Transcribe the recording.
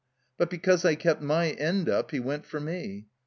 But because I kept my end up he went for me.